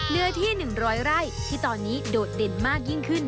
เนื้อที่๑๐๐ไร่ที่ตอนนี้โดดเด่นมากยิ่งขึ้น